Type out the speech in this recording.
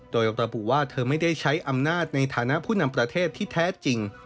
โดยระบุว่าเธอไม่ได้ใช้อำนาจในฐานะผู้นำประเทศที่แท้จริง